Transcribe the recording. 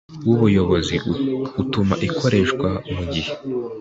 w Ubuyobozi utuma ikoreshwa mu gihe